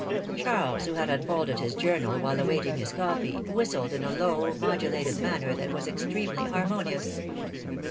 ^^ Charles, who had unfolded his journal while awaiting his coffee, whistled in a little, low, modulated manner that was extremely harmonious.